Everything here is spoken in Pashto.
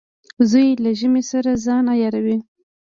وزې له ژمې سره ځان عیاروي